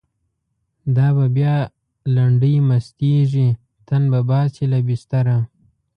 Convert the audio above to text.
دا به بیا لنډۍ مستیږی، تن به باسی له بستره